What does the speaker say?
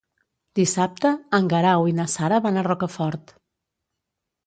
Dissabte en Guerau i na Sara van a Rocafort.